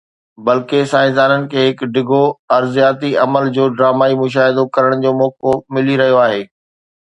بلڪه، سائنسدانن کي هڪ ڊگهو ارضياتي عمل جو ڊرامائي مشاهدو ڪرڻ جو موقعو ملي رهيو آهي.